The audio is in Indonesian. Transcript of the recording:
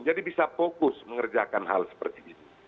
jadi bisa fokus mengerjakan hal seperti ini